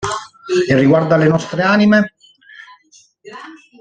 E riguardo alle nostre anime?